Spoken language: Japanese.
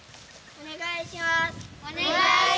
お願いします！